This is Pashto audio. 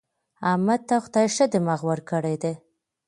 احمد ته خدای ښه دماغ ورکړی دی.